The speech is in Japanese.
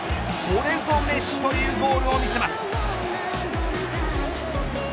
これぞメッシというゴールを見せます。